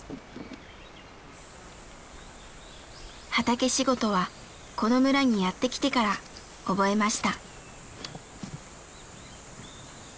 畑仕事はこの村にやって来てから覚えました。